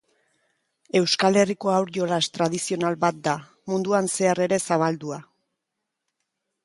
Euskal Herriko haur-jolas tradizional bat da, munduan zehar ere zabaldua.